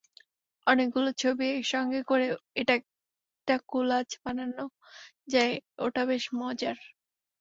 অনেকগুলো ছবি একসঙ্গে করে একটা কোলাজ বানানো যায়, ওটা বেশ মজার।